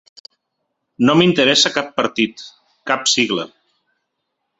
No m’interessa cap partit, cap sigla.